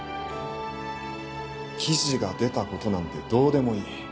記事が出たことなんてどうでもいい。